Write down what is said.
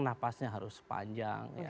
napasnya harus panjang